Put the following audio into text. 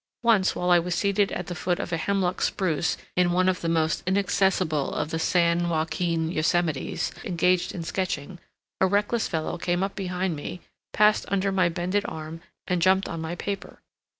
Once, while I was seated at the foot of a Hemlock Spruce in one of the most inaccessible of the San Joaquin yosemites engaged in sketching, a reckless fellow came up behind me, passed under my bended arm, and jumped on my paper.